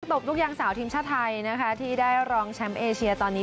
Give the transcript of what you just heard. ตบลูกยางสาวทีมชาติไทยนะคะที่ได้รองแชมป์เอเชียตอนนี้